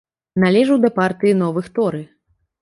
Належыў да партыі новых торы.